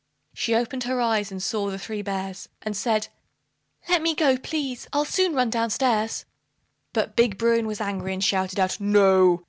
She opened her eyes, and she saw the three bears, And said, "Let me go, please, I'll soon run down stairs." But big Bruin was angry, and shouted out, "No!